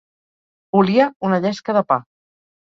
Oliar una llesca de pa.